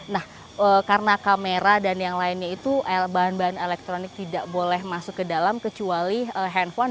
nah karena kamera dan yang lainnya itu bahan bahan elektronik tidak boleh masuk ke dalam kecuali handphone